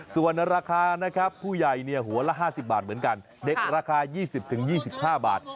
ส่วนราคานะครับผู้ใหญ่หัวละ๕๐บาทเหมือนกันเด็กราคา๒๐๒๕บาท